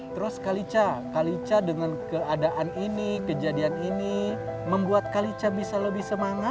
terus kalista kalista dengan keadaan ini kejadian ini membuat kalista bisa lebih semangat